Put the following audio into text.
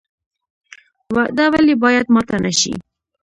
وعده ولې باید ماته نشي؟